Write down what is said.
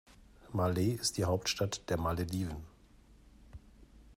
Malé ist die Hauptstadt der Malediven.